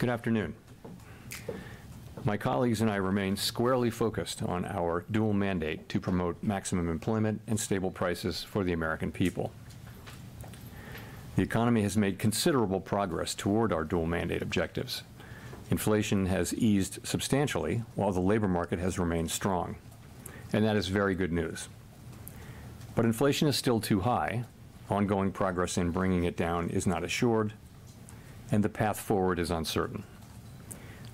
Good afternoon. My colleagues and I remain squarely focused on our dual mandate to promote maximum employment and stable prices for the American people. The economy has made considerable progress toward our dual mandate objectives. Inflation has eased substantially, while the labor market has remained strong, and that is very good news. But inflation is still too high, ongoing progress in bringing it down is not assured, and the path forward is uncertain.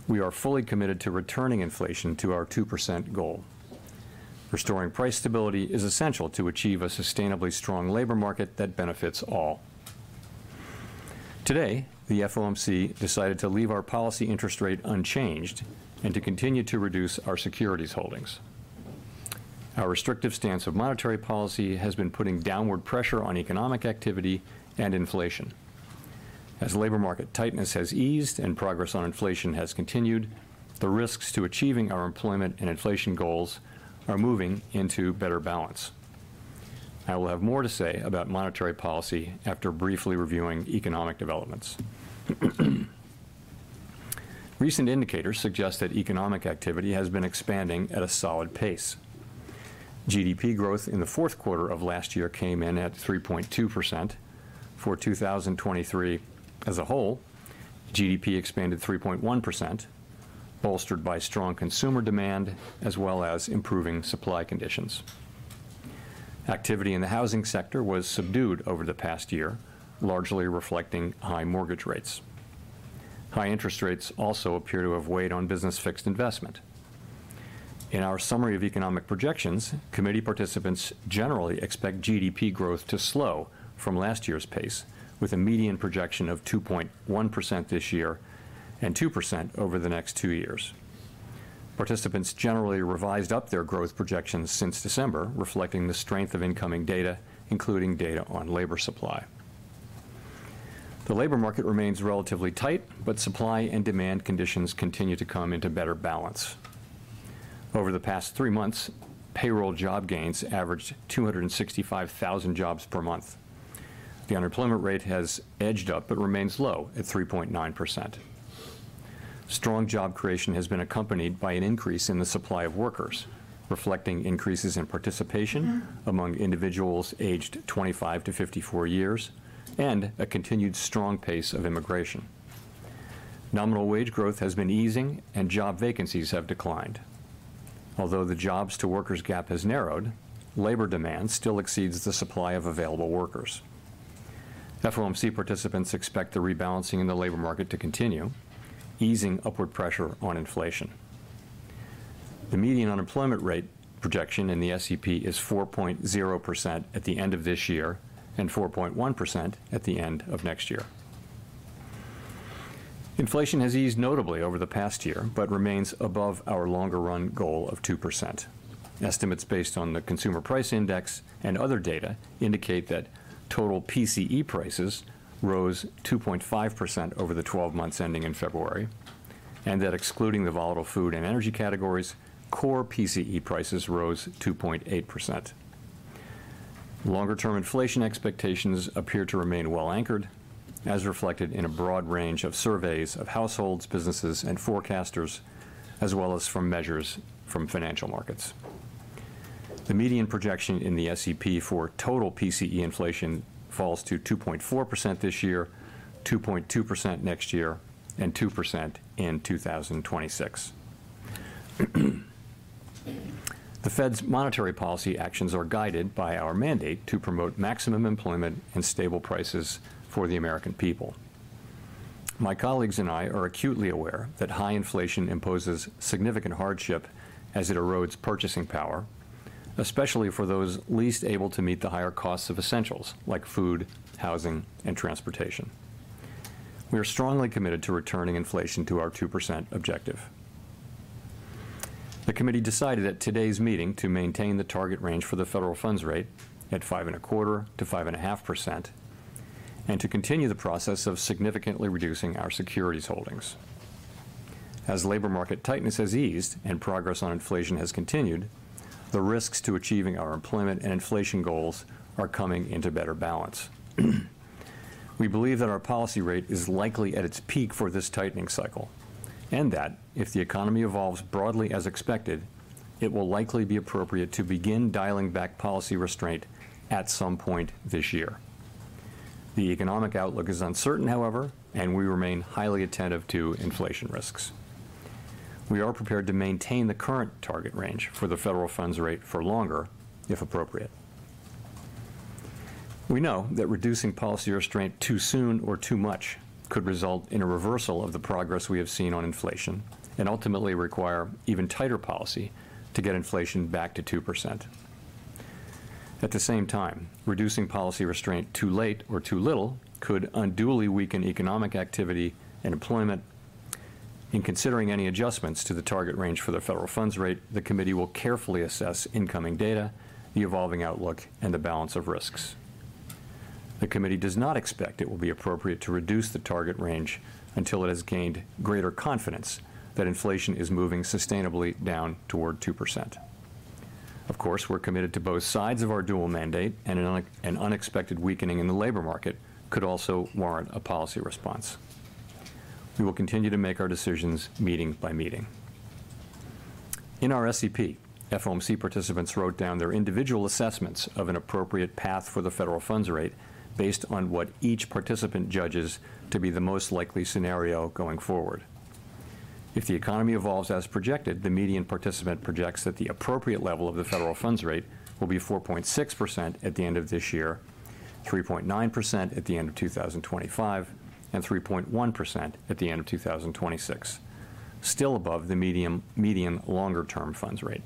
We are fully committed to returning inflation to our 2% goal. Restoring price stability is essential to achieve a sustainably strong labor market that benefits all. Today, the FOMC decided to leave our policy interest rate unchanged and to continue to reduce our securities holdings. Our restrictive stance of monetary policy has been putting downward pressure on economic activity and inflation. As labor market tightness has eased and progress on inflation has continued, the risks to achieving our employment and inflation goals are moving into better balance. I will have more to say about monetary policy after briefly reviewing economic developments. Recent indicators suggest that economic activity has been expanding at a solid pace. GDP growth in the fourth quarter of last year came in at 3.2%. For 2023 as a whole, GDP expanded 3.1%, bolstered by strong consumer demand as well as improving supply conditions. Activity in the housing sector was subdued over the past year, largely reflecting high mortgage rates. High interest rates also appear to have weighed on business fixed investment. In our Summary of Economic Projections, Committee participants generally expect GDP growth to slow from last year's pace, with a median projection of 2.1% this year and 2% over the next two years. Participants generally revised up their growth projections since December, reflecting the strength of incoming data, including data on labor supply. The labor market remains relatively tight, but supply and demand conditions continue to come into better balance. Over the past three months, payroll job gains averaged 265,000 jobs per month. The unemployment rate has edged up but remains low at 3.9%. Strong job creation has been accompanied by an increase in the supply of workers, reflecting increases in participation among individuals aged 25 to 54 years and a continued strong pace of immigration. Nominal wage growth has been easing, and job vacancies have declined. Although the jobs-to-workers gap has narrowed, labor demand still exceeds the supply of available workers. FOMC participants expect the rebalancing in the labor market to continue, easing upward pressure on inflation. The median unemployment rate projection in the SEP is 4.0% at the end of this year and 4.1% at the end of next year. Inflation has eased notably over the past year but remains above our longer-run goal of 2%. Estimates based on the Consumer Price Index and other data indicate that total PCE prices rose 2.5% over the 12 months ending in February, and that, excluding the volatile food and energy categories, core PCE prices rose 2.8%. Longer-term inflation expectations appear to remain well-anchored, as reflected in a broad range of surveys of households, businesses, and forecasters, as well as from measures from financial markets. The median projection in the SEP for total PCE inflation falls to 2.4% this year, 2.2% next year, and 2% in 2026. The Fed's monetary policy actions are guided by our mandate to promote maximum employment and stable prices for the American people. My colleagues and I are acutely aware that high inflation imposes significant hardship as it erodes purchasing power, especially for those least able to meet the higher costs of essentials like food, housing, and transportation. We are strongly committed to returning inflation to our 2% objective. The Committee decided at today's meeting to maintain the target range for the federal funds rate at 5.25%-5.5% and to continue the process of significantly reducing our securities holdings. As labor market tightness has eased and progress on inflation has continued, the risks to achieving our employment and inflation goals are coming into better balance. We believe that our policy rate is likely at its peak for this tightening cycle and that, if the economy evolves broadly as expected, it will likely be appropriate to begin dialing back policy restraint at some point this year. The economic outlook is uncertain, however, and we remain highly attentive to inflation risks. We are prepared to maintain the current target range for the Federal funds rate for longer, if appropriate. We know that reducing policy restraint too soon or too much could result in a reversal of the progress we have seen on inflation and ultimately require even tighter policy to get inflation back to 2%. At the same time, reducing policy restraint too late or too little could unduly weaken economic activity and employment. In considering any adjustments to the target range for the Federal funds rate, the Committee will carefully assess incoming data, the evolving outlook, and the balance of risks. The Committee does not expect it will be appropriate to reduce the target range until it has gained greater confidence that inflation is moving sustainably down toward 2%. Of course, we're committed to both sides of our dual mandate, and an unexpected weakening in the labor market could also warrant a policy response. We will continue to make our decisions meeting by meeting. In our SEP, FOMC participants wrote down their individual assessments of an appropriate path for the Federal funds rate based on what each participant judges to be the most likely scenario going forward. If the economy evolves as projected, the median participant projects that the appropriate level of the federal funds rate will be 4.6% at the end of this year, 3.9% at the end of 2025, and 3.1% at the end of 2026, still above the median longer-term funds rate.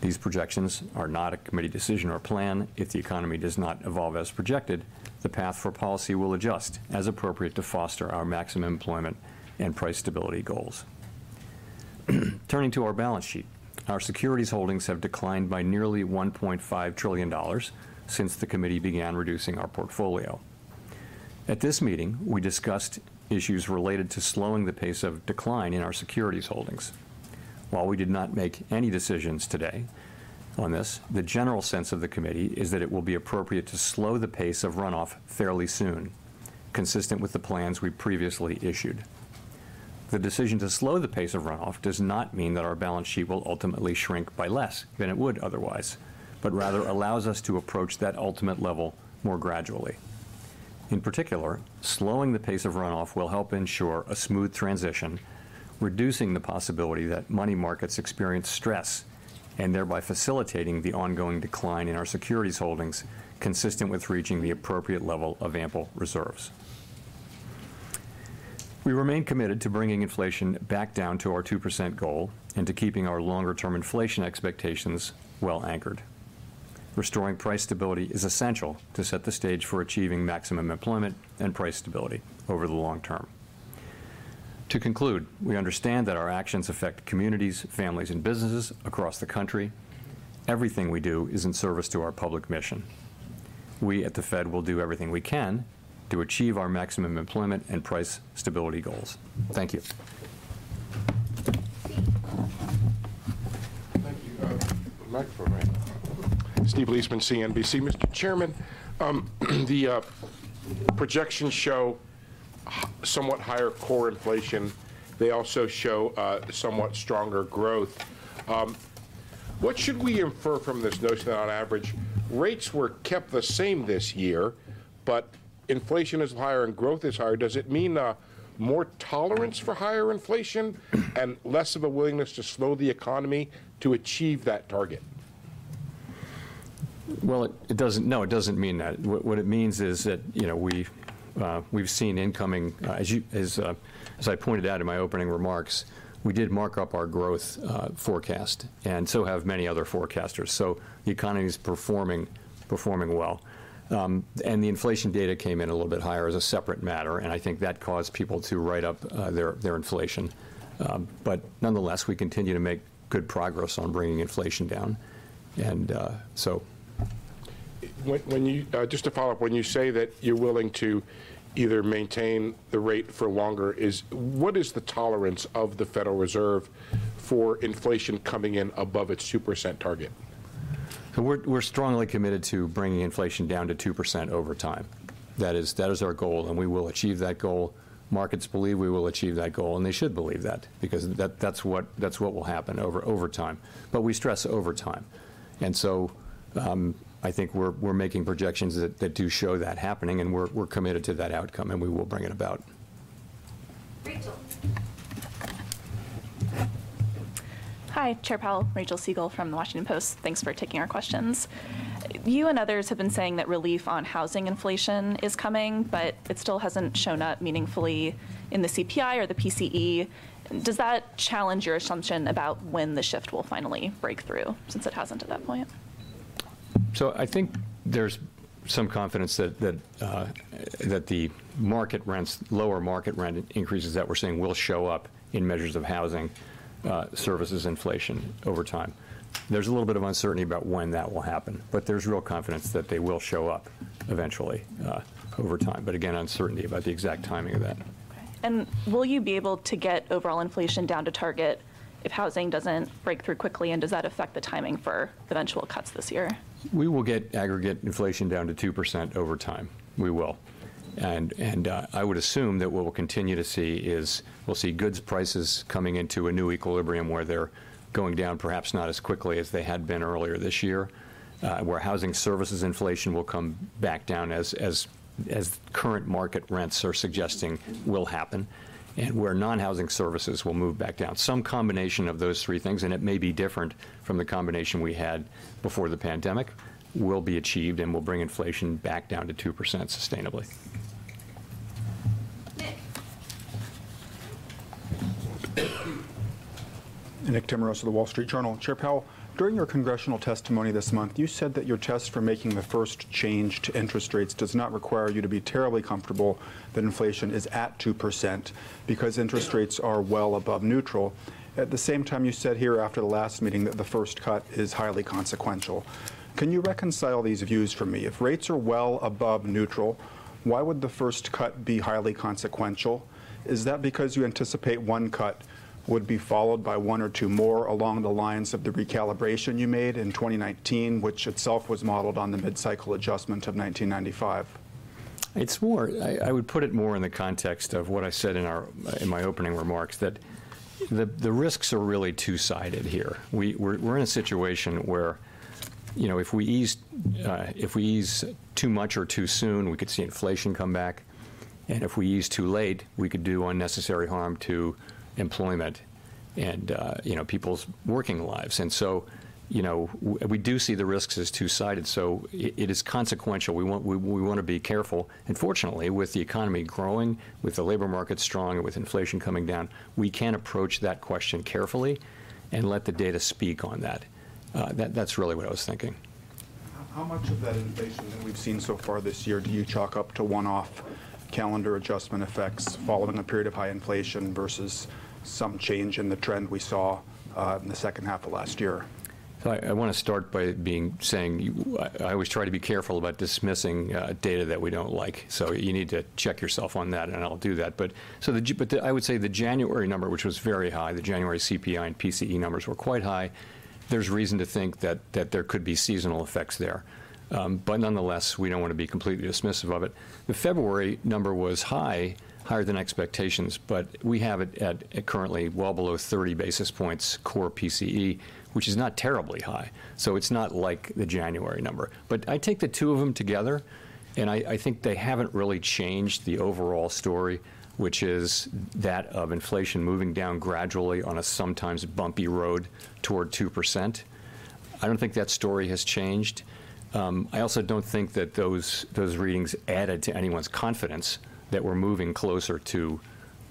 These projections are not a committee decision or plan. If the economy does not evolve as projected, the path for policy will adjust as appropriate to foster our maximum employment and price stability goals. Turning to our balance sheet, our securities holdings have declined by nearly $1.5 trillion since the Committee began reducing our portfolio. At this meeting, we discussed issues related to slowing the pace of decline in our securities holdings. While we did not make any decisions today on this, the general sense of the Committee is that it will be appropriate to slow the pace of runoff fairly soon, consistent with the plans we previously issued. The decision to slow the pace of runoff does not mean that our balance sheet will ultimately shrink by less than it would otherwise, but rather allows us to approach that ultimate level more gradually. In particular, slowing the pace of runoff will help ensure a smooth transition, reducing the possibility that money markets experience stress and thereby facilitating the ongoing decline in our securities holdings consistent with reaching the appropriate level of ample reserves. We remain committed to bringing inflation back down to our 2% goal and to keeping our longer-term inflation expectations well-anchored. Restoring price stability is essential to set the stage for achieving maximum employment and price stability over the long term. To conclude, we understand that our actions affect communities, families, and businesses across the country. Everything we do is in service to our public mission. We at the Fed will do everything we can to achieve our maximum employment and price stability goals. Thank you. Thank you. Mic for me. Steve Liesman, CNBC. Mr. Chairman, the projections show somewhat higher core inflation. They also show somewhat stronger growth. What should we infer from this notion that, on average, rates were kept the same this year, but inflation is higher and growth is higher? Does it mean more tolerance for higher inflation and less of a willingness to slow the economy to achieve that target? Well, it doesn't, it doesn't mean that. What it means is that, you know, we've seen incoming, as I pointed out in my opening remarks, we did mark up our growth forecast, and so have many other forecasters. So the economy is performing well. And the inflation data came in a little bit higher as a separate matter, and I think that caused people to write up their inflation. But nonetheless, we continue to make good progress on bringing inflation down. And so. Just to follow up, when you say that you're willing to either maintain the rate for longer, what is the tolerance of the Federal Reserve for inflation coming in above its 2% target? So we're strongly committed to bringing inflation down to 2% over time. That is that is our goal, and we will achieve that goal. Markets believe we will achieve that goal, and they should believe that because that's what that's what will happen over over time. But we stress over time. And so I think we're making projections that do show that happening, and we're committed to that outcome, and we will bring it about. Hi, Chair Powell. Rachel Siegel from The Washington Post. Thanks for taking our questions. You and others have been saying that relief on housing inflation is coming, but it still hasn't shown up meaningfully in the CPI or the PCE. Does that challenge your assumption about when the shift will finally break through since it hasn't at that point? So I think there's some confidence that the market rents lower market rent increases that we're seeing will show up in measures of housing services inflation over time. There's a little bit of uncertainty about when that will happen, but there's real confidence that they will show up eventually over time, but again, uncertainty about the exact timing of that. Will you be able to get overall inflation down to target if housing doesn't break through quickly? And does that affect the timing for eventual cuts this year? We will get aggregate inflation down to 2% over time. We will. And I would assume that what we'll continue to see is we'll see goods prices coming into a new equilibrium where they're going down perhaps not as quickly as they had been earlier this year, where housing services inflation will come back down as current market rents are suggesting will happen, and where non-housing services will move back down. Some combination of those three things, and it may be different from the combination we had before the pandemic, will be achieved and will bring inflation back down to 2% sustainably. Nick Timiraos of The Wall Street Journal. Chair Powell, during your congressional testimony this month, you said that your test for making the first change to interest rates does not require you to be terribly comfortable that inflation is at 2% because interest rates are well above neutral. At the same time, you said here after the last meeting that the first cut is highly consequential. Can you reconcile these views for me? If rates are well above neutral, why would the first cut be highly consequential? Is that because you anticipate one cut would be followed by one or two more along the lines of the recalibration you made in 2019, which itself was modeled on the mid-cycle adjustment of 1995? It's more. I would put it more in the context of what I said in my opening remarks, that the risks are really two-sided here. We're in a situation where, you know, if we ease too much or too soon, we could see inflation come back. And if we ease too late, we could do unnecessary harm to employment and, you know, people's working lives. And so, you know, we do see the risks as two-sided. So it is consequential. We want to be careful. And fortunately, with the economy growing, with the labor market strong, with inflation coming down, we can approach that question carefully and let the data speak on that. That's really what I was thinking. How much of that inflation that we've seen so far this year do you chalk up to one-off calendar adjustment effects following a period of high inflation versus some change in the trend we saw in the second half of last year? So I want to start by saying I always try to be careful about dismissing data that we don't like. So you need to check yourself on that, and I'll do that. But I would say the January number, which was very high, the January CPI and PCE numbers were quite high. There's reason to think that there could be seasonal effects there. But nonetheless, we don't want to be completely dismissive of it. The February number was high, higher than expectations, but we have it at currently well below 30 basis points core PCE, which is not terribly high. So it's not like the January number. But I take the two of them together, and I think they haven't really changed the overall story, which is that of inflation moving down gradually on a sometimes bumpy road toward 2%. I don't think that story has changed. I also don't think that those readings added to anyone's confidence that we're moving closer to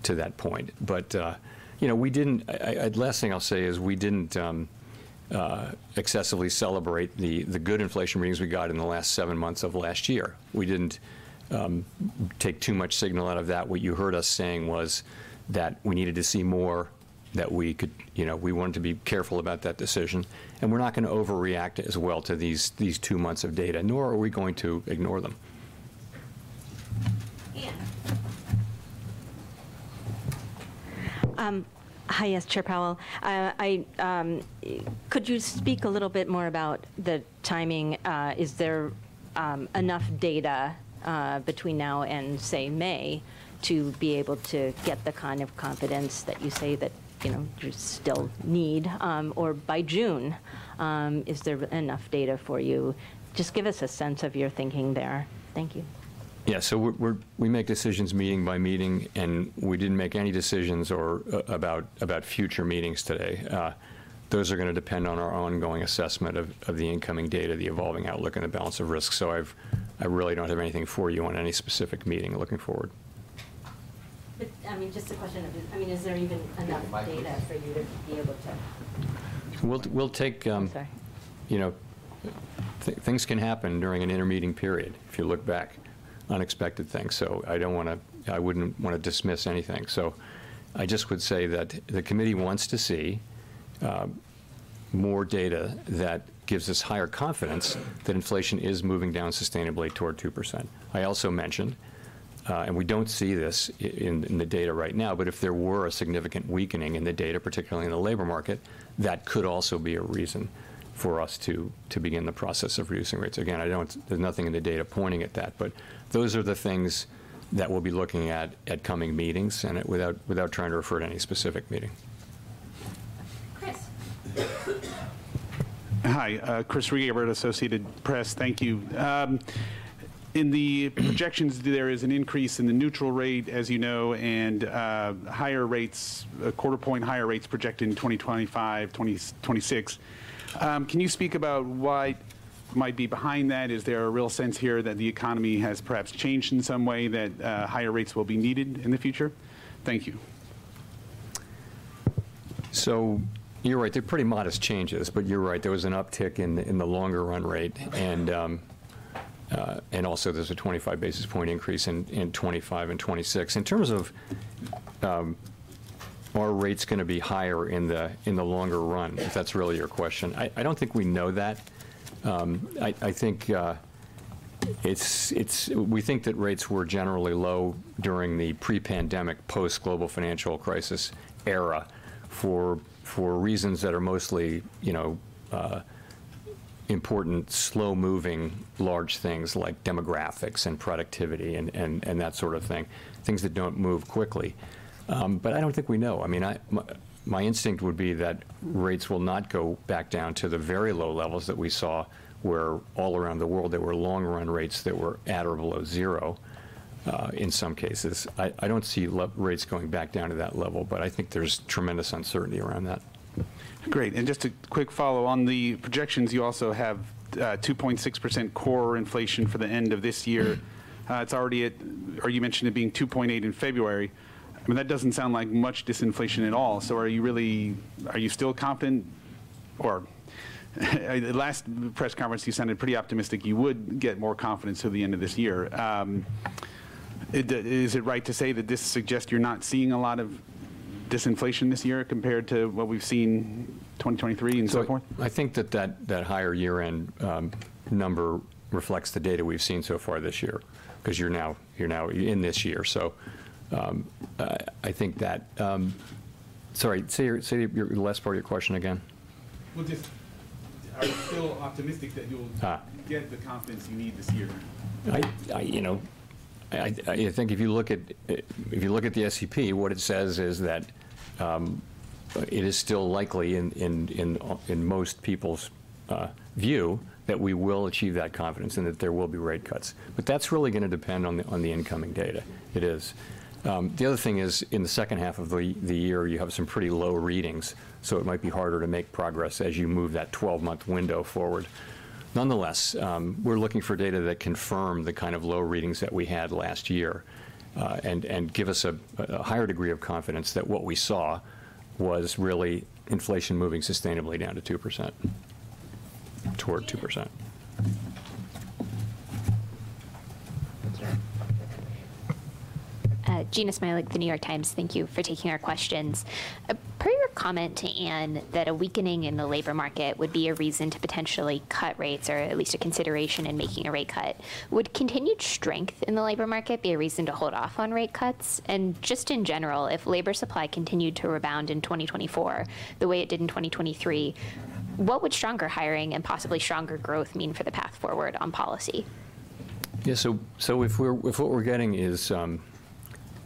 that point. But, you know, we didn't last thing I'll say is we didn't excessively celebrate the good inflation readings we got in the last seven months of last year. We didn't take too much signal out of that. What you heard us saying was that we needed to see more, that we could, you know, we wanted to be careful about that decision, and we're not going to overreact as well to these two months of data, nor are we going to ignore them. Hi, yes, Chair Powell. Could you speak a little bit more about the timing? Is there enough data between now and, say, May to be able to get the kind of confidence that you say that, you know, you still need? Or by June, is there enough data for you? Just give us a sense of your thinking there. Thank you. Yes. So we make decisions meeting by meeting, and we didn't make any decisions about future meetings today. Those are going to depend on our ongoing assessment of the incoming data, the evolving outlook, and the balance of risks. So I really don't have anything for you on any specific meeting looking forward. But, I mean, just a question of, I mean, is there even enough data for you to be able to? We'll take, you know, things can happen during an intermediate period. If you look back, unexpected things. So I wouldn't want to dismiss anything. So I just would say that the Committee wants to see more data that gives us higher confidence that inflation is moving down sustainably toward 2%. I also mentioned, and we don't see this in the data right now, but if there were a significant weakening in the data, particularly in the labor market, that could also be a reason for us to begin the process of reducing rates. Again, I don't. There's nothing in the data pointing at that. But those are the things that we'll be looking at in coming meetings and without trying to refer to any specific meeting. Chris. Hi, Chris Rugaber, Associated Press. Thank you. In the projections, there is an increase in the neutral rate, as you know, and higher rates, a quarter-point higher rates projected in 2025, 2026. Can you speak about what might be behind that? Is there a real sense here that the economy has perhaps changed in some way, that higher rates will be needed in the future? Thank you. So you're right. They're pretty modest changes. But you're right. There was an uptick in the longer-run rate. And also there's a 25 basis point increase in 2025 and 2026. In terms of, are rates going to be higher in the longer run, if that's really your question? I don't think we know that. I think it's we think that rates were generally low during the pre-pandemic, post-global financial crisis era for reasons that are mostly, you know, important, slow-moving large things like demographics and productivity and that sort of thing, things that don't move quickly. But I don't think we know. I mean, my instinct would be that rates will not go back down to the very low levels that we saw where all around the world there were long-run rates that were at or below zero in some cases. I don't see rates going back down to that level, but I think there's tremendous uncertainty around that. Great. And just a quick follow-on. The projections, you also have 2.6% core inflation for the end of this year. It's already at or you mentioned it being 2.8% in February. I mean, that doesn't sound like much disinflation at all. So are you really are you still confident? Or last press conference, you sounded pretty optimistic you would get more confidence through the end of this year. Is it right to say that this suggests you're not seeing a lot of disinflation this year compared to what we've seen in 2023 and so forth? So I think that that higher year-end number reflects the data we've seen so far this year because you're now in this year. So I think that, sorry, say your last part of your question again. We are still optimistic that you'll get the confidence you need this year. You know, I think if you look at the SEP, what it says is that it is still likely, in most people's view, that we will achieve that confidence and that there will be rate cuts. But that's really going to depend on the incoming data. It is. The other thing is, in the second half of the year, you have some pretty low readings, so it might be harder to make progress as you move that 12-month window forward. Nonetheless, we're looking for data that confirm the kind of low readings that we had last year and give us a higher degree of confidence that what we saw was really inflation moving sustainably down to 2%, toward 2%. Jeanna Smialek, The New York Times. Thank you for taking our questions. Per your comment to Anne, that a weakening in the labor market would be a reason to potentially cut rates or at least a consideration in making a rate cut, would continued strength in the labor market be a reason to hold off on rate cuts? And just in general, if labor supply continued to rebound in 2024 the way it did in 2023, what would stronger hiring and possibly stronger growth mean for the path forward on policy? Yes. So if what we're getting is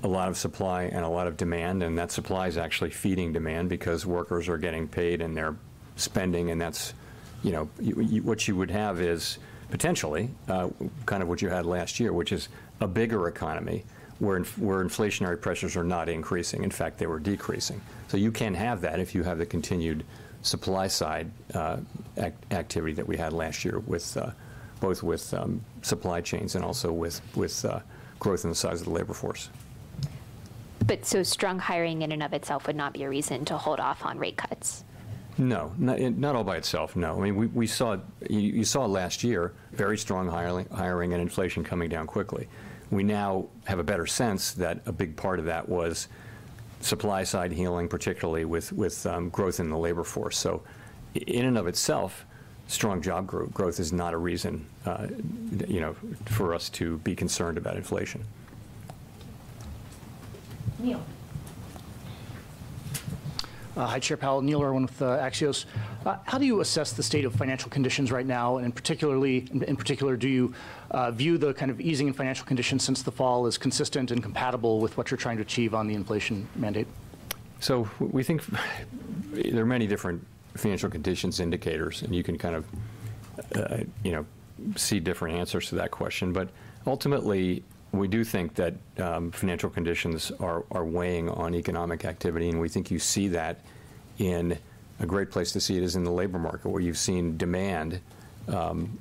a lot of supply and a lot of demand, and that supply is actually feeding demand because workers are getting paid and they're spending, and that's, you know, what you would have is potentially kind of what you had last year, which is a bigger economy where inflationary pressures are not increasing. In fact, they were decreasing. So you can have that if you have the continued supply-side activity that we had last year with both supply chains and also with growth in the size of the labor force. But so strong hiring in and of itself would not be a reason to hold off on rate cuts? No, not all by itself, no. I mean, we saw, you saw last year very strong hiring and inflation coming down quickly. We now have a better sense that a big part of that was supply-side healing, particularly with growth in the labor force. So in and of itself, strong job growth is not a reason, you know, for us to be concerned about inflation. Neil. Hi, Chair Powell. Neil Irwin with Axios. How do you assess the state of financial conditions right now? And in particular, do you view the kind of easing in financial conditions since the fall as consistent and compatible with what you're trying to achieve on the inflation mandate? So we think there are many different financial conditions indicators, and you can kind of, you know, see different answers to that question. But ultimately, we do think that financial conditions are weighing on economic activity, and we think you see that in a great place to see it is in the labor market, where you've seen demand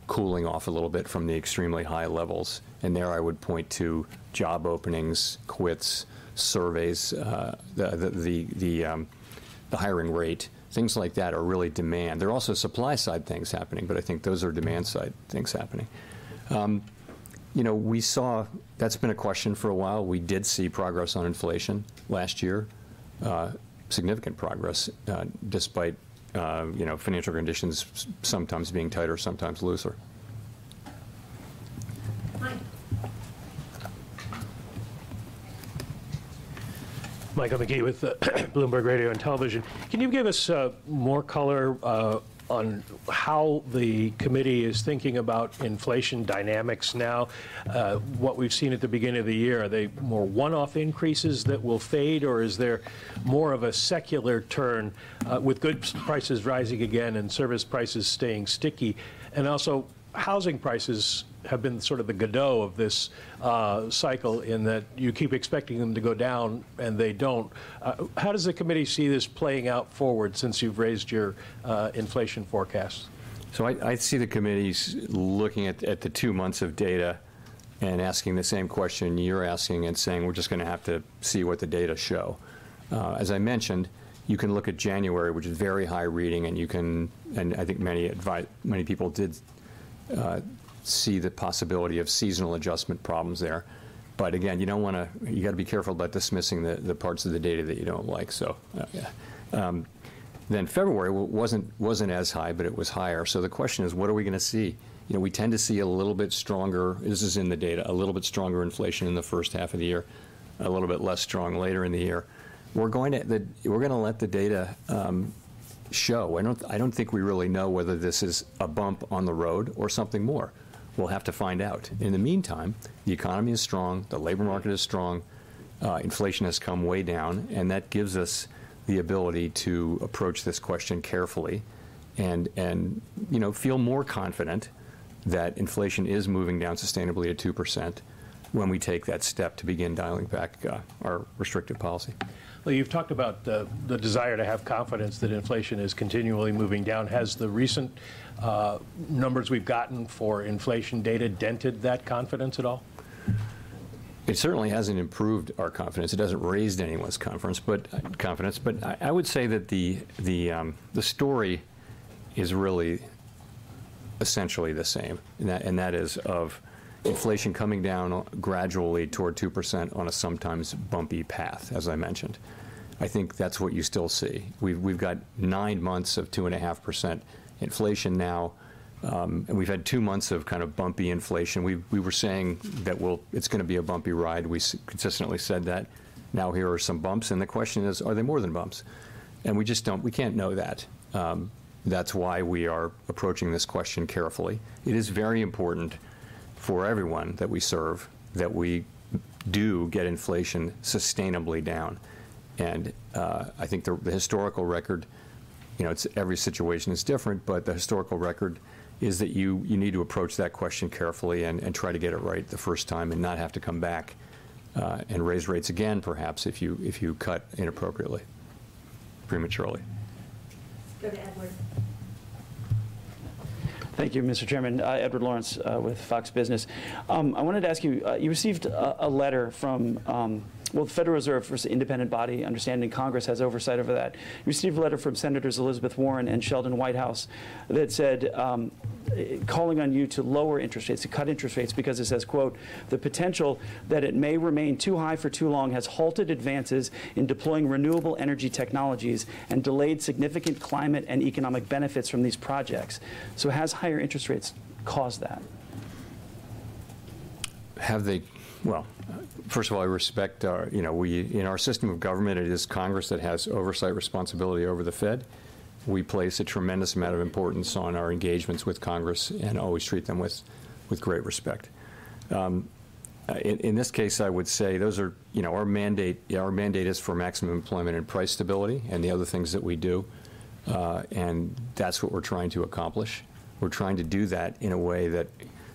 cooling off a little bit from the extremely high levels. And there I would point to job openings, quits, surveys, the hiring rate, things like that are really demand. There are also supply-side things happening, but I think those are demand-side things happening. You know, we saw that's been a question for a while. We did see progress on inflation last year, significant progress, despite, you know, financial conditions sometimes being tighter, sometimes looser. Mike. Michael McKee with Bloomberg Radio and Television. Can you give us more color on how the Committee is thinking about inflation dynamics now? What we've seen at the beginning of the year, are they more one-off increases that will fade, or is there more of a secular turn with goods prices rising again and service prices staying sticky? And also, housing prices have been sort of the Godot of this cycle in that you keep expecting them to go down and they don't. How does the Committee see this playing out forward since you've raised your inflation forecasts? So I see the Committee's looking at the two months of data and asking the same question you're asking and saying, we're just going to have to see what the data show. As I mentioned, you can look at January, which is very high reading, and you can, and I think many advisors, many people did see the possibility of seasonal adjustment problems there. But again, you don't want to. You got to be careful about dismissing the parts of the data that you don't like. So then February wasn't as high, but it was higher. So the question is, what are we going to see? You know, we tend to see a little bit stronger, this is in the data, a little bit stronger inflation in the first half of the year, a little bit less strong later in the year. We're going to let the data show. I don't think we really know whether this is a bump on the road or something more. We'll have to find out. In the meantime, the economy is strong, the labor market is strong, inflation has come way down, and that gives us the ability to approach this question carefully and, you know, feel more confident that inflation is moving down sustainably at 2% when we take that step to begin dialing back our restrictive policy. Well, you've talked about the desire to have confidence that inflation is continually moving down. Has the recent numbers we've gotten for inflation data dented that confidence at all? It certainly hasn't improved our confidence. It hasn't raised anyone's confidence, but confidence. But I would say that the story is really essentially the same, and that is of inflation coming down gradually toward 2% on a sometimes bumpy path, as I mentioned. I think that's what you still see. We've got nine months of 2.5% inflation now, and we've had two months of kind of bumpy inflation. We were saying that well, it's going to be a bumpy ride. We consistently said that. Now here are some bumps. And the question is, are they more than bumps? And we just don't, we can't know that. That's why we are approaching this question carefully. It is very important for everyone that we serve that we do get inflation sustainably down. I think the historical record, you know, it's every situation is different, but the historical record is that you need to approach that question carefully and try to get it right the first time and not have to come back and raise rates again, perhaps if you cut inappropriately, prematurely. Go to Edward. Thank you, Mr. Chairman. Edward Lawrence with Fox Business. I wanted to ask you, you received a letter from, well, the Federal Reserve is an independent body, understanding Congress has oversight over that. You received a letter from Senators Elizabeth Warren and Sheldon Whitehouse that said calling on you to lower interest rates, to cut interest rates, because it says, quote, "The potential that it may remain too high for too long has halted advances in deploying renewable energy technologies and delayed significant climate and economic benefits from these projects." So has higher interest rates caused that? Have they? Well, first of all, I respect our, you know, we in our system of government. It is Congress that has oversight responsibility over the Fed. We place a tremendous amount of importance on our engagements with Congress and always treat them with great respect. In this case, I would say those are, you know, our mandate. Our mandate is for maximum employment and price stability and the other things that we do. And that's what we're trying to accomplish. We're trying to do that in a way that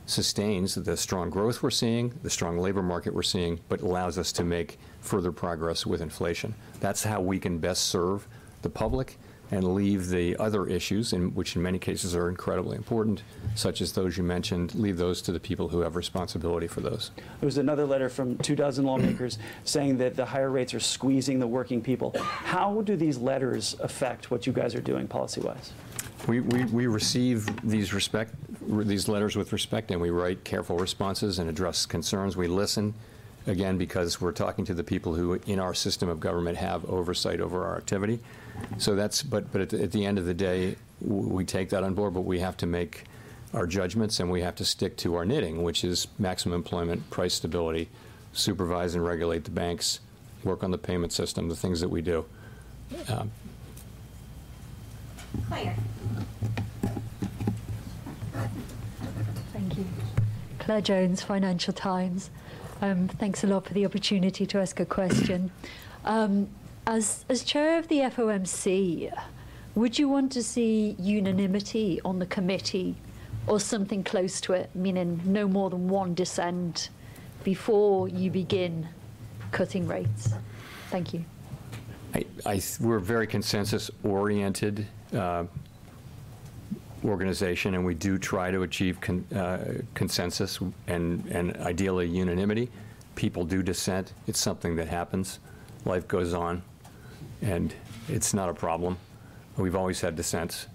sustains the strong growth we're seeing, the strong labor market we're seeing, but allows us to make further progress with inflation. That's how we can best serve the public and leave the other issues, which in many cases are incredibly important, such as those you mentioned, leave those to the people who have responsibility for those. There was another letter from two dozen lawmakers saying that the higher rates are squeezing the working people. How do these letters affect what you guys are doing policy-wise? We receive these letters with respect, and we write careful responses and address concerns. We listen, again, because we're talking to the people who, in our system of government, have oversight over our activity. So, that's, but at the end of the day, we take that on board. But we have to make our judgments, and we have to stick to our knitting, which is maximum employment, price stability, supervise and regulate the banks, work on the payment system, the things that we do. Claire. Thank you. Claire Jones, Financial Times. Thanks a lot for the opportunity to ask a question. As Chair of the FOMC, would you want to see unanimity on the Committee or something close to it, meaning no more than one dissent before you begin cutting rates? Thank you. We're a very consensus-oriented organization, and we do try to achieve consensus and ideally unanimity. People do dissent. It's something that happens. Life goes on, and it's not a problem. We've always had dissents.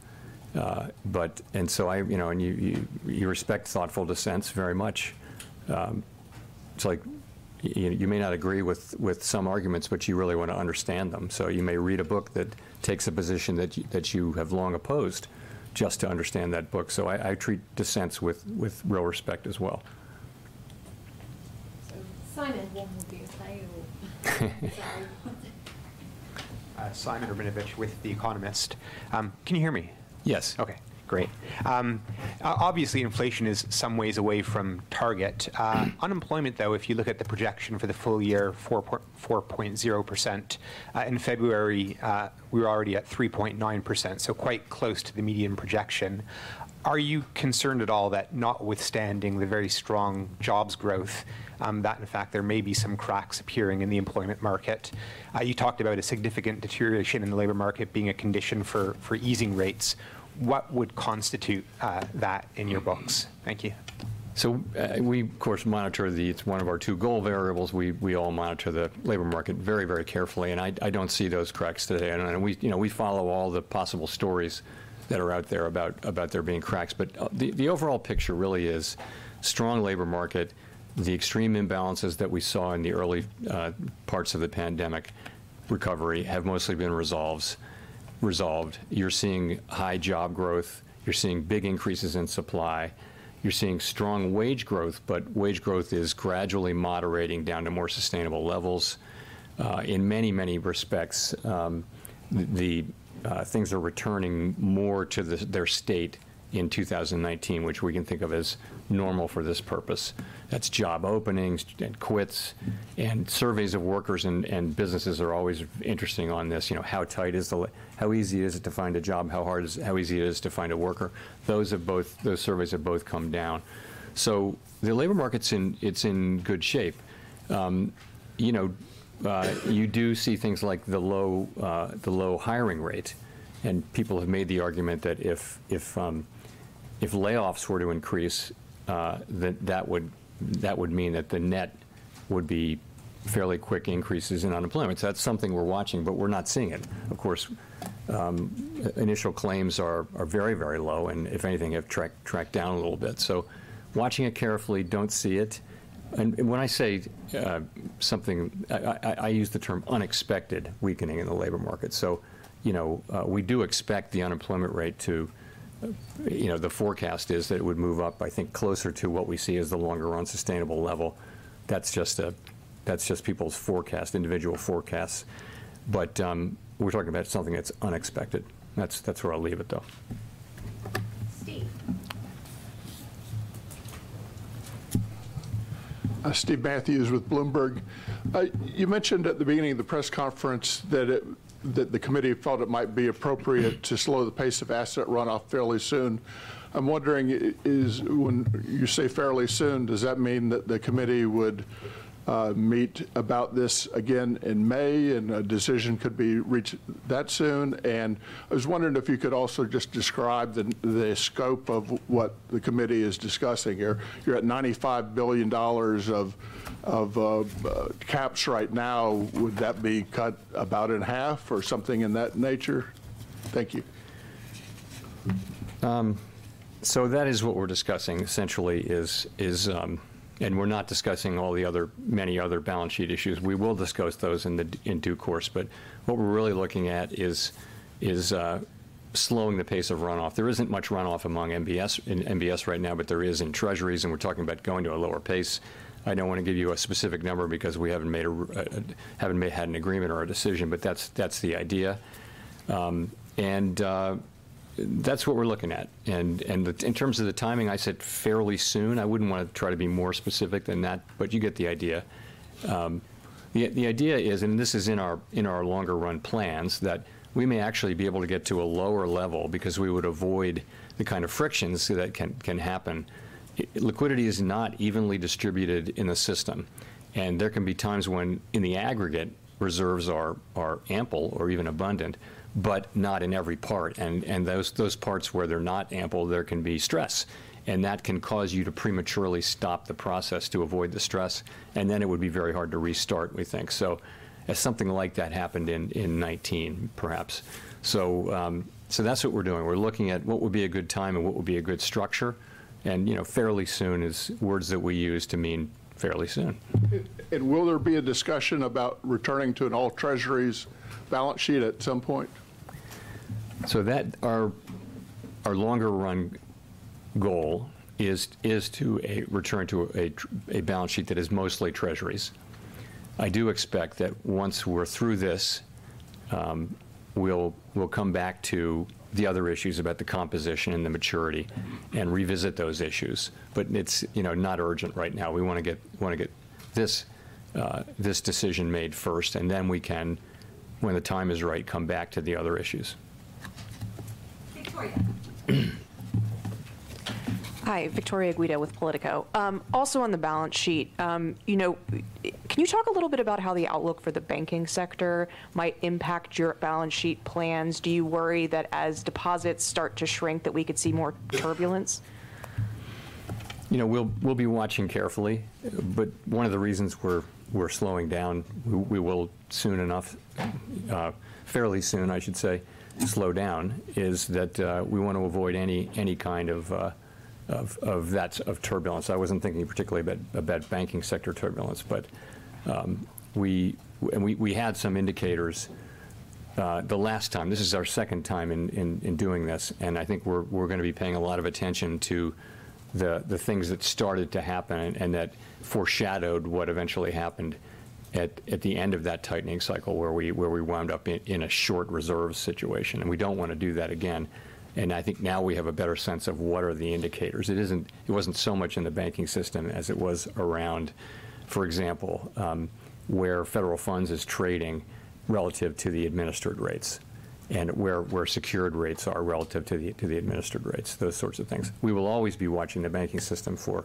But and so I, you know, and you respect thoughtful dissents very much. It's like, you may not agree with some arguments, but you really want to understand them. You may read a book that takes a position that you have long opposed just to understand that book. I treat dissents with real respect as well. So, Simon Warren would be okay, or? Simon Rabinovitch with The Economist. Can you hear me? Yes. OK, great. Obviously, inflation is some ways away from target. Unemployment, though, if you look at the projection for the full year, 4.0%. In February, we were already at 3.9%, so quite close to the median projection. Are you concerned at all that notwithstanding the very strong jobs growth, that, in fact, there may be some cracks appearing in the employment market? You talked about a significant deterioration in the labor market being a condition for easing rates. What would constitute that in your books? Thank you. So we, of course, monitor it. It's one of our two goal variables. We all monitor the labor market very, very carefully. I don't see those cracks today. We, you know, follow all the possible stories that are out there about there being cracks. But the overall picture really is strong labor market. The extreme imbalances that we saw in the early parts of the pandemic recovery have mostly been resolved. You're seeing high job growth. You're seeing big increases in supply. You're seeing strong wage growth, but wage growth is gradually moderating down to more sustainable levels in many, many respects. The things are returning more to their state in 2019, which we can think of as normal for this purpose. That's job openings and quits. Surveys of workers and businesses are always interesting on this, you know, how tight is the how easy is it to find a job? How hard is how easy it is to find a worker? Those have both those surveys have both come down. So the labor market's in it's in good shape. You know, you do see things like the low the low hiring rate. And people have made the argument that if if if layoffs were to increase, that that would that would mean that the net would be fairly quick increases in unemployment. So that's something we're watching, but we're not seeing it. Of course, initial claims are very, very low and, if anything, have tracked tracked down a little bit. So watching it carefully, don't see it. And when I say something, I use the term unexpected weakening in the labor market. So, you know, we do expect the unemployment rate to, you know, the forecast is that it would move up, I think, closer to what we see as the longer-run sustainable level. That's just people's forecast, individual forecasts. But we're talking about something that's unexpected. That's where I'll leave it, though. Steve. Steve Matthews with Bloomberg. You mentioned at the beginning of the press conference that the Committee felt it might be appropriate to slow the pace of asset runoff fairly soon. I'm wondering, is when you say fairly soon, does that mean that the Committee would meet about this again in May and a decision could be reached that soon? And I was wondering if you could also just describe the scope of what the Committee is discussing here. You're at $95 billion of caps right now. Would that be cut about in half or something in that nature? Thank you. So that is what we're discussing, essentially, and we're not discussing all the other balance sheet issues. We will discuss those in due course. But what we're really looking at is slowing the pace of runoff. There isn't much runoff among MBS right now, but there is in Treasuries. And we're talking about going to a lower pace. I don't want to give you a specific number because we haven't had an agreement or a decision. But that's the idea. And that's what we're looking at. And in terms of the timing, I said fairly soon. I wouldn't want to try to be more specific than that. But you get the idea. The idea is, and this is in our longer-run plans, that we may actually be able to get to a lower level because we would avoid the kind of frictions that can happen. Liquidity is not evenly distributed in the system. And there can be times when in the aggregate, reserves are ample or even abundant, but not in every part. And those parts where they're not ample, there can be stress. And that can cause you to prematurely stop the process to avoid the stress. And then it would be very hard to restart, we think. So something like that happened in 2019, perhaps. So that's what we're doing. We're looking at what would be a good time and what would be a good structure. And, you know, fairly soon is words that we use to mean fairly soon. Will there be a discussion about returning to an all-Treasuries balance sheet at some point? So that our longer-run goal is to return to a balance sheet that is mostly Treasuries. I do expect that once we're through this, we'll come back to the other issues about the composition and the maturity and revisit those issues. But it's, you know, not urgent right now. We want to get this decision made first, and then we can, when the time is right, come back to the other issues. Victoria. Hi, Victoria Guida with POLITICO. Also on the balance sheet, you know, can you talk a little bit about how the outlook for the banking sector might impact your balance sheet plans? Do you worry that as deposits start to shrink, that we could see more turbulence? You know, we'll be watching carefully. But one of the reasons we're slowing down—we will soon enough, fairly soon, I should say, slow down—is that we want to avoid any kind of turbulence. I wasn't thinking particularly about banking sector turbulence, but we had some indicators the last time. This is our second time in doing this. And I think we're going to be paying a lot of attention to the things that started to happen and that foreshadowed what eventually happened at the end of that tightening cycle where we wound up in a short reserves situation. And we don't want to do that again. And I think now we have a better sense of what are the indicators. It isn't, it wasn't so much in the banking system as it was around, for example, where federal funds is trading relative to the administered rates and where secured rates are relative to the administered rates, those sorts of things. We will always be watching the banking system for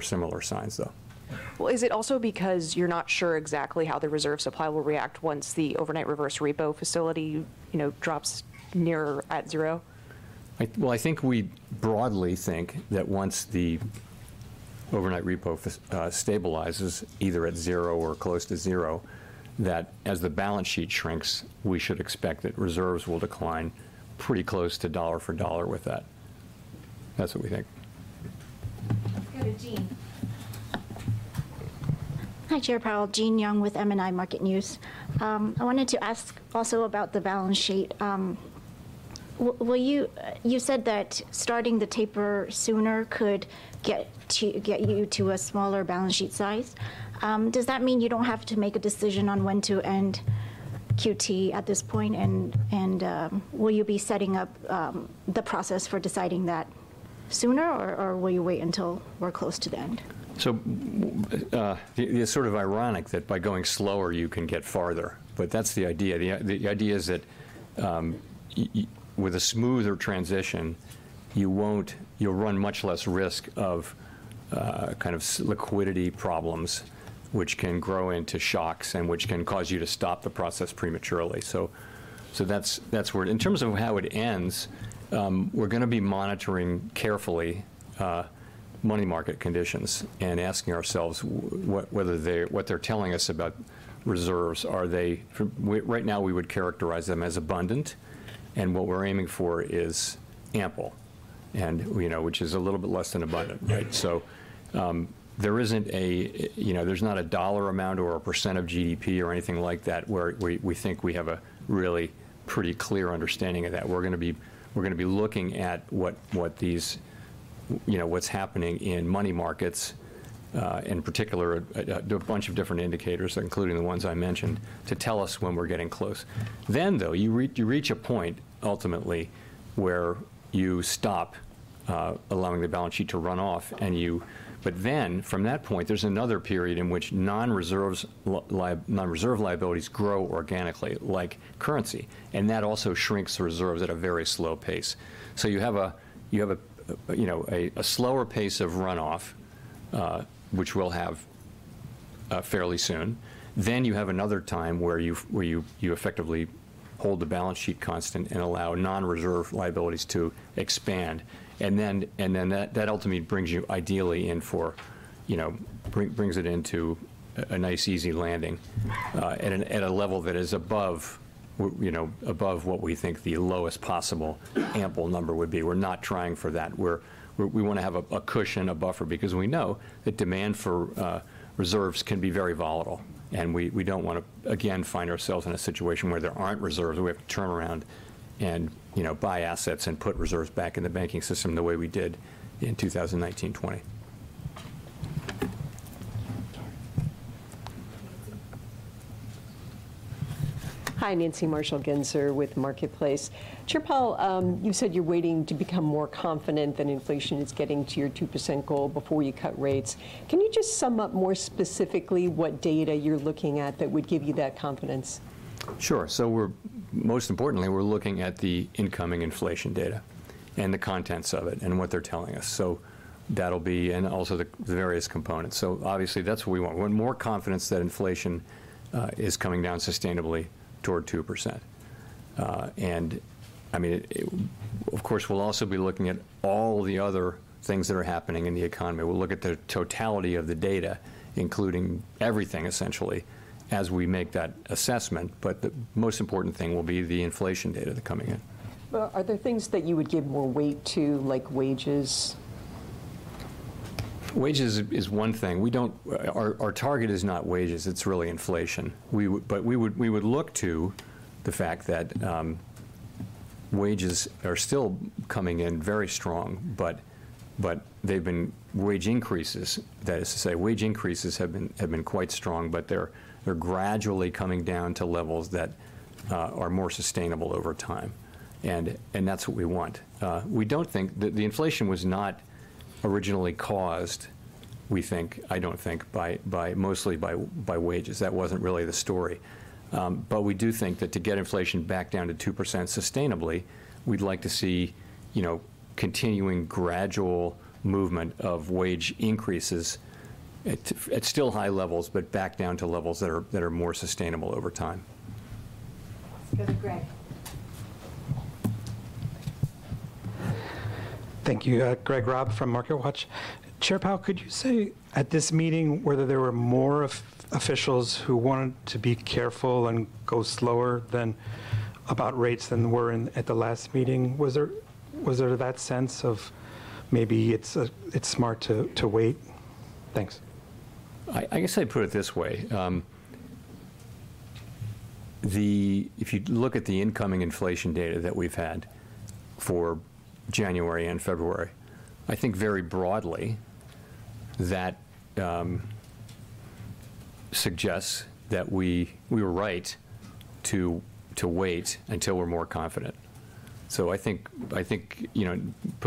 similar signs, though. Well, is it also because you're not sure exactly how the reserve supply will react once the overnight reverse repo facility, you know, drops nearer at zero? Well, I think we broadly think that once the overnight repo stabilizes, either at 0 or close to 0, that as the balance sheet shrinks, we should expect that reserves will decline pretty close to dollar for dollar with that. That's what we think. Go to Jean. Hi, Chair Powell. Jean Yung with MNI Market News. I wanted to ask also about the balance sheet. You said that starting the taper sooner could get you to a smaller balance sheet size. Does that mean you don't have to make a decision on when to end QT at this point? And will you be setting up the process for deciding that sooner, or will you wait until we're close to the end? So it's sort of ironic that by going slower, you can get farther. But that's the idea. The idea is that with a smoother transition, you won't run much less risk of kind of liquidity problems, which can grow into shocks and which can cause you to stop the process prematurely. So that's where in terms of how it ends, we're going to be monitoring carefully money market conditions and asking ourselves whether what they're telling us about reserves, are they right now? We would characterize them as abundant. And what we're aiming for is ample and, you know, which is a little bit less than abundant, right? So there isn't a you know, there's not a dollar amount or a percent of GDP or anything like that where we think we have a really pretty clear understanding of that. We're going to be looking at what these you know, what's happening in money markets, in particular, a bunch of different indicators, including the ones I mentioned, to tell us when we're getting close. Then, though, you reach a point, ultimately, where you stop allowing the balance sheet to run off and then, from that point, there's another period in which non-reserve liabilities grow organically, like currency, and that also shrinks reserves at a very slow pace. So you have a, you know, a slower pace of runoff, which we'll have fairly soon. Then you have another time where you effectively hold the balance sheet constant and allow non-reserve liabilities to expand. Then that ultimately brings you ideally in for, you know, brings it into a nice, easy landing at a level that is above, you know, above what we think the lowest possible ample number would be. We're not trying for that. We want to have a cushion, a buffer, because we know that demand for reserves can be very volatile. And we don't want to, again, find ourselves in a situation where there aren't reserves. We have to turn around and, you know, buy assets and put reserves back in the banking system the way we did in 2019, 2020. Hi, Nancy Marshall-Genzer with Marketplace. Chair Powell, you said you're waiting to become more confident that inflation is getting to your 2% goal before you cut rates. Can you just sum up more specifically what data you're looking at that would give you that confidence? Sure. So we're most importantly, we're looking at the incoming inflation data and the contents of it and what they're telling us. So that'll be and also the various components. So, obviously, that's what we want: more confidence that inflation is coming down sustainably toward 2%. And, I mean, of course, we'll also be looking at all the other things that are happening in the economy. We'll look at the totality of the data, including everything, essentially, as we make that assessment. But the most important thing will be the inflation data that's coming in. Are there things that you would give more weight to, like wages? Wages is one thing. We don't. Our target is not wages. It's really inflation. We would look to the fact that wages are still coming in very strong, but they've been wage increases. That is to say, wage increases have been quite strong, but they're gradually coming down to levels that are more sustainable over time. And that's what we want. We don't think that the inflation was not originally caused, we think I don't think, by mostly wages. That wasn't really the story. But we do think that to get inflation back down to 2% sustainably, we'd like to see, you know, continuing gradual movement of wage increases at still high levels, but back down to levels that are more sustainable over time. Go to Greg. Thank you. Greg Robb from MarketWatch. Chair Powell, could you say at this meeting whether there were more officials who wanted to be careful and go slower than about rates than there were at the last meeting? Was there that sense of maybe it's smart to wait? Thanks. I guess I'd put it this way. If you look at the incoming inflation data that we've had for January and February, I think very broadly that suggests that we were right to wait until we're more confident. So I think, you know,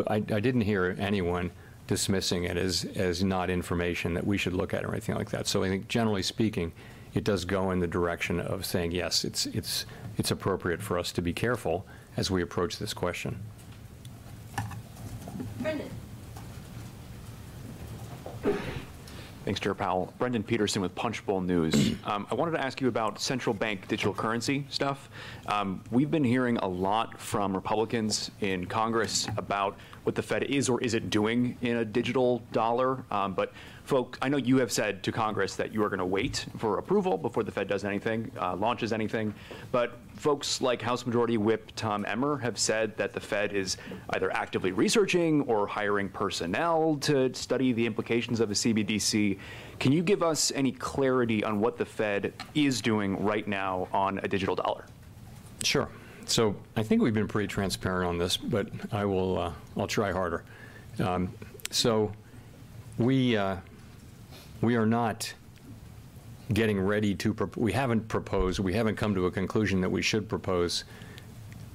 I didn't hear anyone dismissing it as not information that we should look at or anything like that. So I think, generally speaking, it does go in the direction of saying, yes, it's appropriate for us to be careful as we approach this question. Brendan. Thanks, Chair Powell. Brendan Pedersen with Punchbowl News. I wanted to ask you about central bank digital currency stuff. We've been hearing a lot from Republicans in Congress about what the Fed is or is it doing in a digital dollar. But, folks, I know you have said to Congress that you are going to wait for approval before the Fed does anything, launches anything. But folks like House Majority Whip Tom Emmer have said that the Fed is either actively researching or hiring personnel to study the implications of the CBDC. Can you give us any clarity on what the Fed is doing right now on a digital dollar? Sure. So I think we've been pretty transparent on this, but I will try harder. So we are not getting ready to. We haven't proposed. We haven't come to a conclusion that we should propose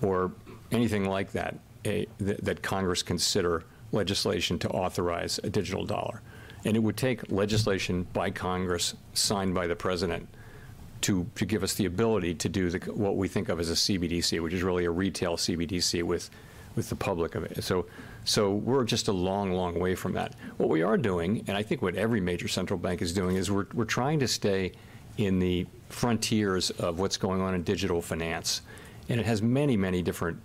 or anything like that that Congress consider legislation to authorize a digital dollar. And it would take legislation by Congress signed by the President to give us the ability to do what we think of as a CBDC, which is really a retail CBDC with the public of it. So we're just a long, long way from that. What we are doing, and I think what every major central bank is doing, is we're trying to stay in the frontiers of what's going on in digital finance. And it has many, many different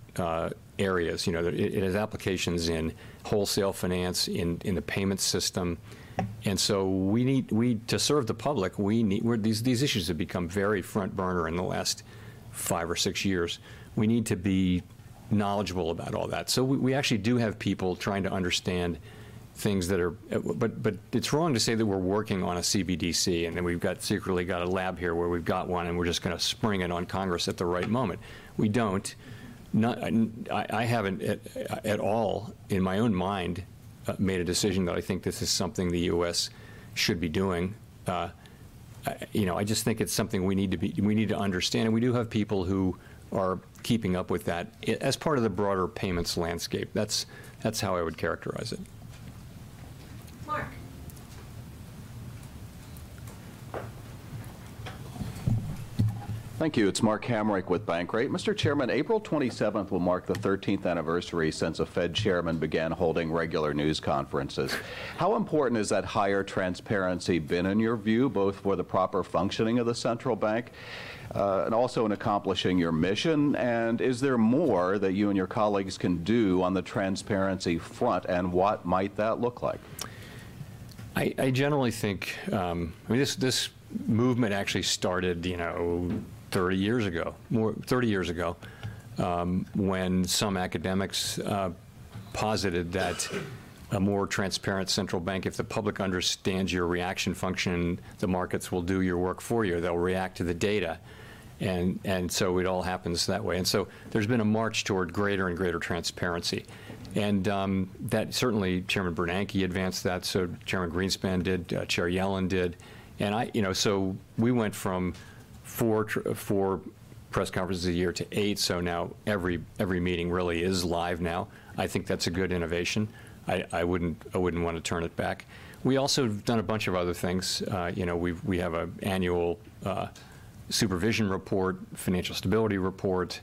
areas, you know, that it has applications in wholesale finance, in the payment system. And so we need to serve the public; we need where these issues have become very front burner in the last five or six years. We need to be knowledgeable about all that. So we actually do have people trying to understand things that are, but it's wrong to say that we're working on a CBDC and then we've secretly got a lab here where we've got one and we're just going to spring it on Congress at the right moment. We don't. No, I haven't at all in my own mind made a decision that I think this is something the U.S. should be doing. You know, I just think it's something we need to understand. And we do have people who are keeping up with that as part of the broader payments landscape. That's how I would characterize it. Mark. Thank you. It's Mark Hamrick with Bankrate. Mr. Chairman, April 27th will mark the 13th anniversary since a Fed chairman began holding regular news conferences. How important has that higher transparency been, in your view, both for the proper functioning of the central bank and also in accomplishing your mission? And is there more that you and your colleagues can do on the transparency front? And what might that look like? I generally think, I mean, this movement actually started, you know, 30 years ago, more 30 years ago, when some academics posited that a more transparent central bank, if the public understands your reaction function, the markets will do your work for you. They'll react to the data. And so it all happens that way. And so there's been a march toward greater and greater transparency. And that certainly Chairman Bernanke advanced that. So Chairman Greenspan did. Chair Yellen did. And I, you know, so we went from four press conferences a year to eight. So now every meeting really is live now. I think that's a good innovation. I wouldn't want to turn it back. We also have done a bunch of other things. You know, we have an annual supervision report, Financial Stability Report.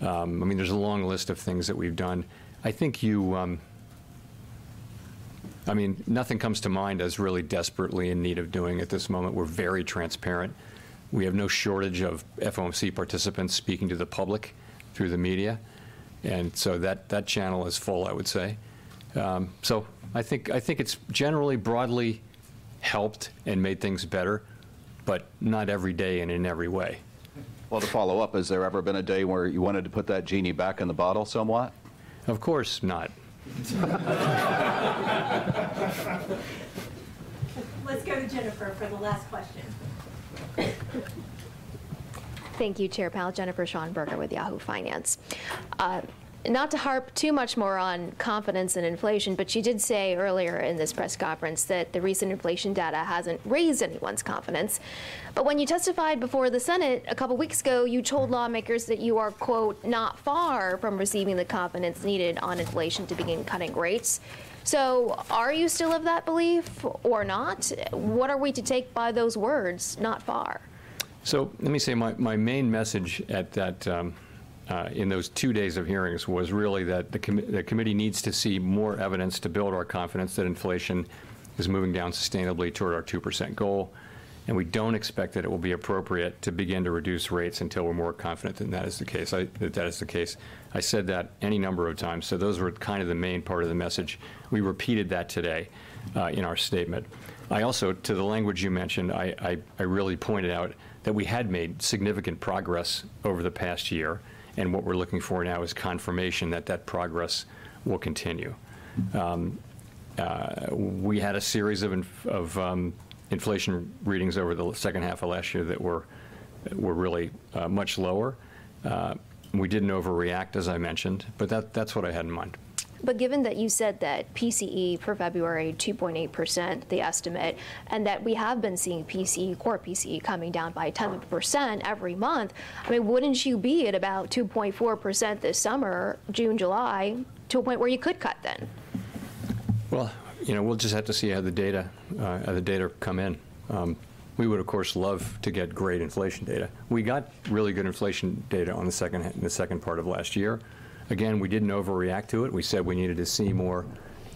I mean, there's a long list of things that we've done. I think, I mean, nothing comes to mind as really desperately in need of doing at this moment. We're very transparent. We have no shortage of FOMC participants speaking to the public through the media. And so that channel is full, I would say. So I think it's generally broadly helped and made things better, but not every day and in every way. Well, to follow up, has there ever been a day where you wanted to put that genie back in the bottle somewhat? Of course not. Let's go to Jennifer for the last question. Thank you, Chair Powell. Jennifer Schonberger with Yahoo Finance. Not to harp too much more on confidence in inflation, but you did say earlier in this press conference that the recent inflation data hasn't raised anyone's confidence. But when you testified before the Senate a couple of weeks ago, you told lawmakers that you are, quote, "not far" from receiving the confidence needed on inflation to begin cutting rates. So are you still of that belief or not? What are we to take by those words, not far? So let me say my main message at that in those two days of hearings was really that the Committee needs to see more evidence to build our confidence that inflation is moving down sustainably toward our 2% goal. And we don't expect that it will be appropriate to begin to reduce rates until we're more confident that that is the case. I said that any number of times. So those were kind of the main part of the message. We repeated that today in our statement. I also to the language you mentioned, I really pointed out that we had made significant progress over the past year. And what we're looking for now is confirmation that that progress will continue. We had a series of inflation readings over the second half of last year that were really much lower. We didn't overreact, as I mentioned, but that's what I had in mind. Given that you said that PCE for February, 2.8%, the estimate, and that we have been seeing PCE, core PCE, coming down by 10% every month, I mean, wouldn't you be at about 2.4% this summer, June, July, to a point where you could cut then? Well, you know, we'll just have to see how the data come in. We would, of course, love to get great inflation data. We got really good inflation data on the second in the second part of last year. Again, we didn't overreact to it. We said we needed to see more.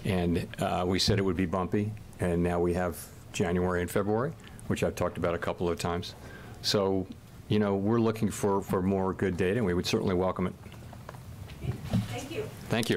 We said it would be bumpy. Now we have January and February, which I've talked about a couple of times. So, you know, we're looking for more good data, and we would certainly welcome it. Thank you. Thank you.